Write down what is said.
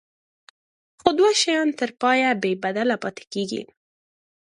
خو دوه شیان تر پایه بې بدله پاتې کیږي.